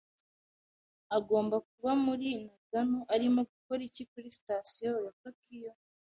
Agomba kuba muri Nagano. Arimo gukora iki kuri sitasiyo ya Tokiyo?